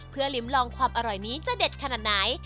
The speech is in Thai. เพื่อลิ้มลองความอร่อยนี้จะเด็ดขนาดไหน